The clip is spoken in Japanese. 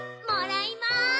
もらいます！